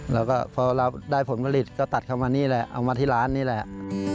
แล้วก็พอเราได้ผลผลิตก็ตัดเข้ามานี่แหละเอามาที่ร้านนี่แหละ